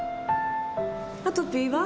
アトピーは？